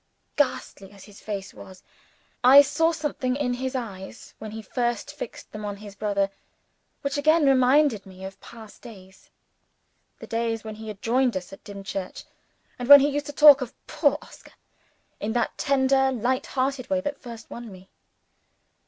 Ghastly as his face was, I saw something in his eyes, when he first fixed them on his brother, which again reminded me of past days the days when he had joined us at Dimchurch, and when he used to talk of "poor Oscar" in the tender, light hearted way that first won me.